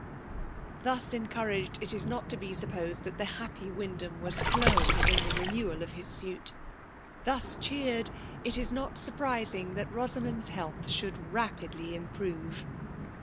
Thus encouraged, it is not to be supposed that the happy Wyndham was slow in the renewal of his suit, — thus cheered, it is not 302 FEMALE DOMINATIOK. mrprniiiig that Bosamond's health should ra pidly hnprore.